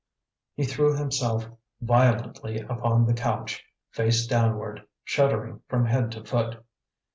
He threw himself violently upon the couch, face downward, shuddering from head to foot.